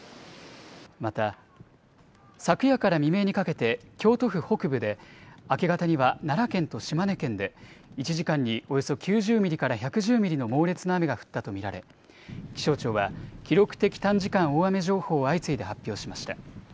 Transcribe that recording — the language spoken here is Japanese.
また昨夜から未明にかけて、京都府北部で明け方には奈良県と島根県で、１時間におよそ９０ミリから１１０ミリの猛烈な雨が降ったと見られ、気象庁は記録的短時間大雨情報を相次いで発表しました。